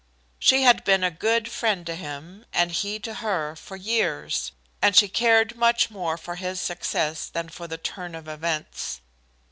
She had been a good friend to him, and he to her, for years, and she cared much more for his success than for the turn of events.